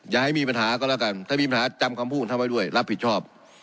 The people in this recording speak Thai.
อย่าให้มีปัญหาก็แล้วกันถ้ามีปัญหาจำคำพูดของเขาไว้ด้วยรับผิดชอบ